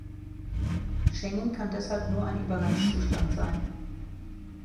Schengen kann deshalb nur ein Übergangszustand sein.